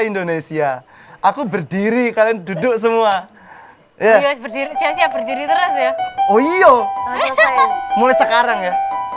indonesia aku berdiri kalian duduk semua ya berdiri berdiri terus ya oh iyo mulai sekarang ya